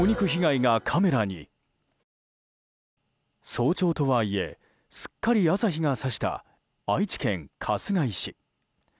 早朝とはいえ、すっかり朝日がさした愛知県春日井市。